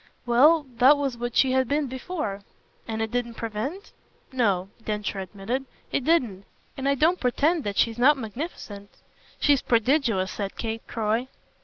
"Well, that was what she had been before." "And it didn't prevent? No," Densher admitted, "it didn't; and I don't pretend that she's not magnificent." "She's prodigious," said Kate Croy.